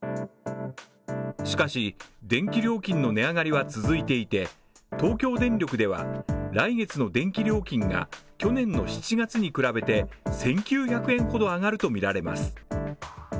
しかし、電気料金の値上がりは続いていて、東京電力では来月の電気料金が去年の７月に比べて１９００円ほど上がるとみられます。